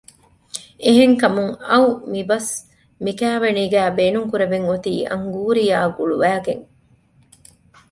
އެހެން ކަމުން އައު މިބަސް މިކައިވެނީގައި ބޭނުންކުރެވެން އޮތީ އަންގޫރީއާ ގުޅުވައިގެން